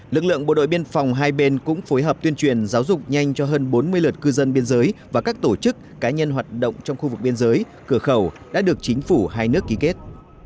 lực lượng bộ đội biên phòng hai bên cũng phối hợp tuyên truyền giáo dục nhanh cho hơn bốn mươi lượt cư dân biên giới và các tổ chức cá nhân hoạt động trong khu vực biên giới cửa khẩu đã được chính phủ hai nước ký kết